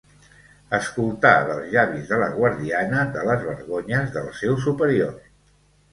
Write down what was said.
Escoltà dels llavis de la guardiana de les vergonyes del seu superior.